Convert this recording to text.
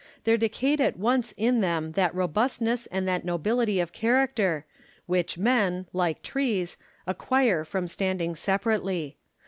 There decayed at once in them that robustness and that nobility of character, which men, like trees, acquire from standing separately.